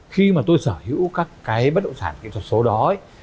khi mà tôi sở hữu các cái bất động sản kỹ thuật số đó ấy